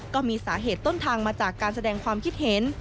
ก็มีสาเหตุต้นทางมาจากการแสดงความคิดเห็น